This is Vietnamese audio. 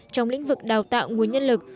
trong lĩnh vực đào tạo nguồn nhân lực